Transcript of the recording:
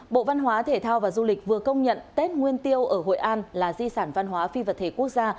bộ văn hóa thể thao và du lịch vừa công nhận tết nguyên tiêu ở hội an là di sản văn hóa phi vật thể quốc gia